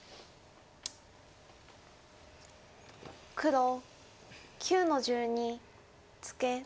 黒９の十二ツケ。